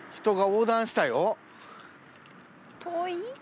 遠い？